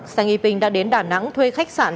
seng y binh đã đến đà nẵng thuê khách sạn